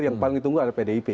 yang paling ditunggu adalah pdip